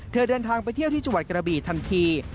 เดินทางไปเที่ยวที่จังหวัดกระบี่ทันที